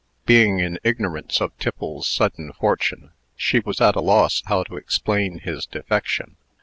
Being in ignorance of Tiffles's sudden fortune, she was at a loss how to explain his defection.